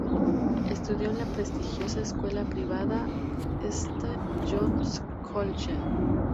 Estudió en la prestigiosa escuela privada St John's College.